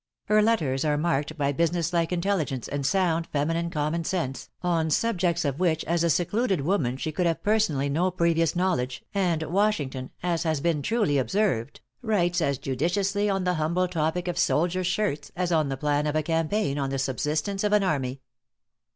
Her letters are marked by business like intelligence and sound feminine common sense, on subjects of which as a secluded woman she could have personally no previous knowledge, and Washington, as has been truly observed, "writes as judiciously on the humble topic of soldier's shirts, as on the plan of a campaign or the subsistence of an army."